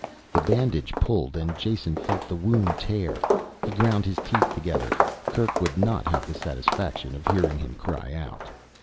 The bandage pulled and Jason felt the wound tear open. He ground his teeth together; Kerk would not have the satisfaction of hearing him cry out.